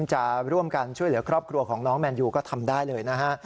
จะร่วมกันช่วยเหลือครอบครัวของน้องแมนยูก็ทำได้เลยนะฮะ